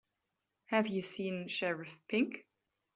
Have you seen Sheriff Pink?